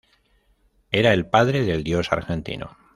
Era el padre del dios Argentino.